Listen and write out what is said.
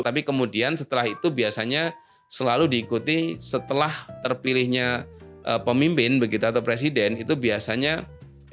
tapi kemudian setelah itu biasanya selalu diikuti setelah terpilihnya pemimpin begitu atau presiden itu biasanya presiden